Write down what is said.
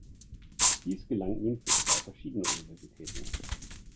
Dies gelang ihm für zwei verschiedene Universitäten.